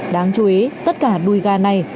đáng chú ý tất cả đùi gà này